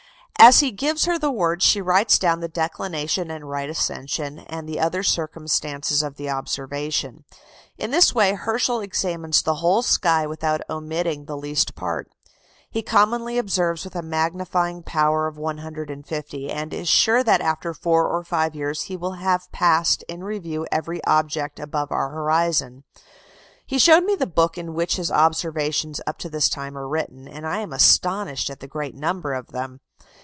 As he gives her the word, she writes down the declination and right ascension, and the other circumstances of the observation. In this way Herschel examines the whole sky without omitting the least part. He commonly observes with a magnifying power of one hundred and fifty, and is sure that after four or five years he will have passed in review every object above our horizon. He showed me the book in which his observations up to this time are written, and I am astonished at the great number of them.